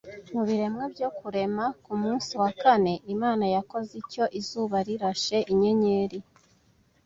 Mu biremwa byo kurema kumunsi wa kane Imana yakoze icyo Izuba Rirashe Inyenyeri